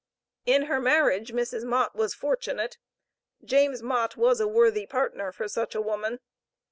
In her marriage, Mrs. Mott was fortunate. James Mott was a worthy partner for such a woman.